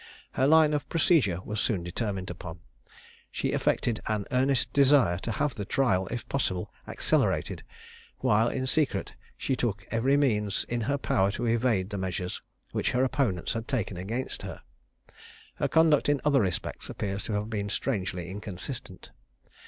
Her line of procedure was soon determined upon she affected an earnest desire to have the trial, if possible, accelerated, while in secret she took every means in her power to evade the measures which her opponents had taken against her. Her conduct in other respects appears to have been strangely inconsistent.